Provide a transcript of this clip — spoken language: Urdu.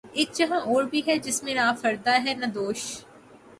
اک جہاں اور بھی ہے جس میں نہ فردا ہے نہ دوش